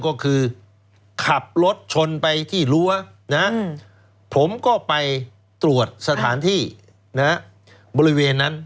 ก็คือขับรถชนไปที่รั้วนะผมก็ไปตรวจสถานที่บริเวณนั้น